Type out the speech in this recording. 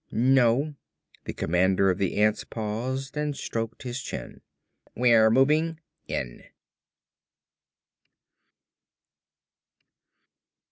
"No." The commander of the ants paused and stroked his chin. "We're moving in."